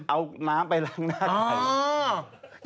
เอาน้ำไปล้างหน้าใคร